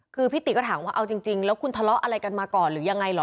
คือพี่ติก็ถามว่าเอาจริงแล้วคุณทะเลาะอะไรกันมาก่อนหรือยังไงเหรอ